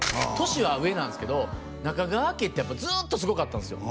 年は上なんですけど中川家ってずっとすごかったんすよ